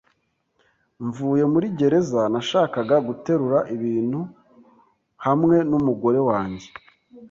Mvuye muri gereza, nashakaga guterura ibintu hamwe n'umugore wanjye.